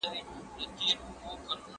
زه مخکي مکتب ته تللي وو.